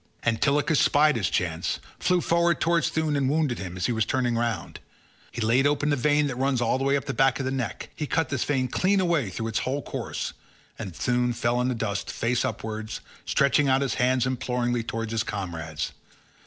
Antilochus spied his chance, flew forward towards Thoon, and wounded him as he was turning round. He laid open the vein that runs all the way up the back to the neck; he cut this vein clean away throughout its whole course, and Thoon fell in the dust face upwards, stretching out his hands imploringly towards his comrades.